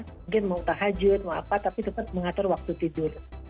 mungkin mau tahajud mau apa tapi tetap mengatur waktu tidur